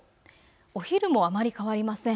お昼もあまり変わりません。